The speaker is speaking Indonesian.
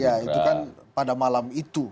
ya itu kan pada malam itu